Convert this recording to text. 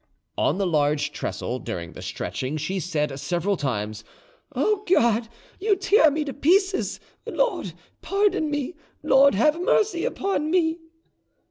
"On the large trestle, during the stretching, she said several times, 'O God, you tear me to, pieces! Lord, pardon me! Lord, have mercy upon me!